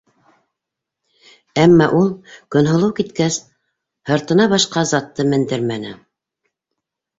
Әммә ул, Көнһылыу киткәс, һыртына башҡа затты мендермәне.